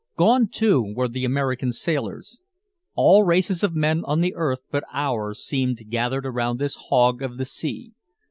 Gone, too, were the American sailors. All races of men on the earth but ours seemed gathered around this hog of the sea.